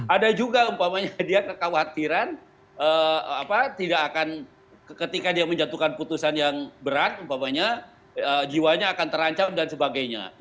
ada juga umpamanya dia kekhawatiran tidak akan ketika dia menjatuhkan putusan yang berat umpamanya jiwanya akan terancam dan sebagainya